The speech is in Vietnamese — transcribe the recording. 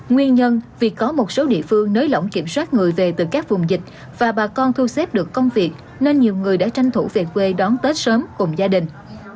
nguyên nhân vì có một số địa phương nới lỏng kiểm soát người về từ các vùng dịch và bà con thu xếp được công việc nên nhiều người đã tranh thủ về quê đón tết sớm cùng gia đình